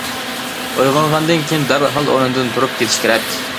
ئويغانغاندىن كېيىن دەرھال ئورنىدىن تۇرۇپ كېتىش كېرەك.